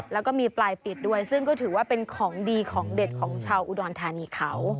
แล้วก็มีปลายปิดด้วยซึ่งก็ถือว่าเป็นของดีของเด็ดของชาวอุดรธานีเขา